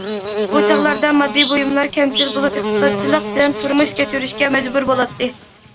ئۇ چاغلاردا ماددىي بۇيۇملار كەمچىل بولۇپ، ئىقتىسادچىللىق بىلەن تۇرمۇش كەچۈرۈشكە مەجبۇر بولاتتى.